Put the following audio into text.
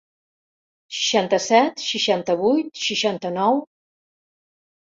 Seixanta-set, seixanta-vuit, seixanta-nou...